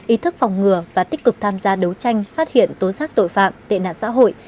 ý thức phòng ngừa và tích cực tham gia đấu tranh phát hiện tố xác tội phạm tệ nạn xã hội